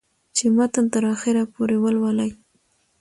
چې متن تر اخره پورې ولولي